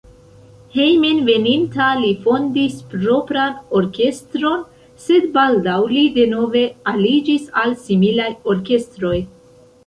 Hejmenveninta li fondis propran orkestron, sed baldaŭ li denove aliĝis al similaj orkestroj.